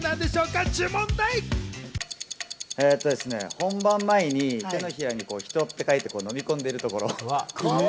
本番前に手のひらに「人」って書いて飲み込んでいるところ。